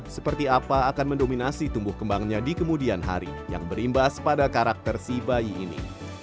seperti apa akan mendominasi tumbuh kembangnya di kemudian hari yang berimbas pada karakter si bayi ini